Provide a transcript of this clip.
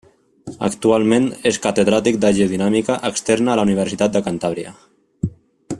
Actualment és catedràtic de geodinàmica externa a la Universitat de Cantàbria.